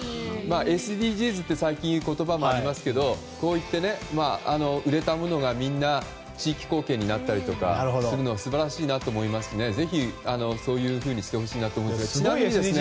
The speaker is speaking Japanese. ＳＤＧｓという最近言葉もありますけどこういって売れたものが地域貢献になったりするのは素晴らしいなと思いますしぜひ、そういうふうにしてほしいですね。